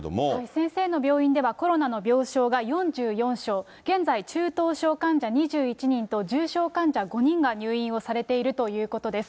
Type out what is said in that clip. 先生の病院では、コロナの病床が４４床、現在、中等症患者２１人と、重症患者５人が入院をされているということです。